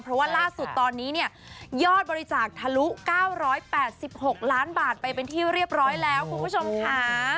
เพราะว่าล่าสุดตอนนี้เนี่ยยอดบริจาคทะลุ๙๘๖ล้านบาทไปเป็นที่เรียบร้อยแล้วคุณผู้ชมค่ะ